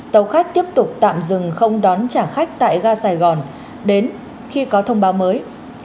tàu khách tiếp tục tạm dừng không đón trả khách tại ga sài gòn đến khi có thông báo mới